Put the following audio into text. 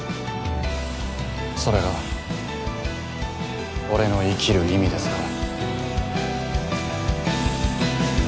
それが俺の生きる意味ですから。